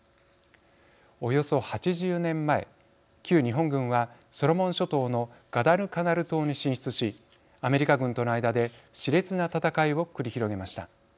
およそ８０年前、旧日本軍はソロモン諸島のガダルカナル島に進出しアメリカ軍との間でしれつな戦いを繰り広げました。